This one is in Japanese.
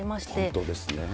本当ですね。